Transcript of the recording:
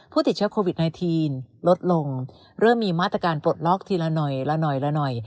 ผู้ติดเชื้อโควิด๑๙ลดลงเริ่มมีมาตรการปลดล็อกทีละหน่อย